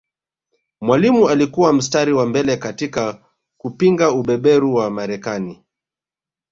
Mwalimu alikuwa mstari wa mbele katika kupinga ubeberu wa Marekani